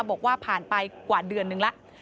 บอกว่าผ่านไปกว่าเดือนนึงแล้ว